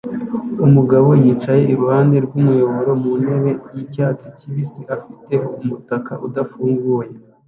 Umugabo yicaye iruhande rwumuyoboro mu ntebe yicyatsi kibisi afite umutaka udafunguye